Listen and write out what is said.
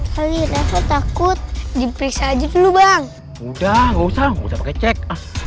kali rafa takut diperiksa aja dulu bang udah nggak usah usah cek